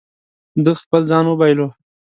ده خپل ځان وبایلو.